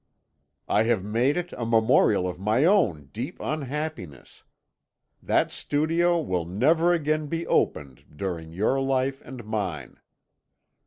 "'I have made it a memorial of my own deep unhappiness. That studio will never again be opened during your life and mine.